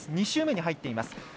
２周目に入っています。